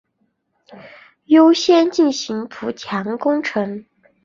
优先进行补强工程